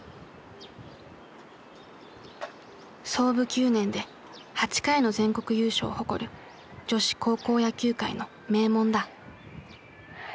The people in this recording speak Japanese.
創部９年で８回の全国優勝を誇る女子高校野球界の名門だ。